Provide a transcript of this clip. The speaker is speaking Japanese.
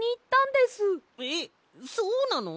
えっそうなの？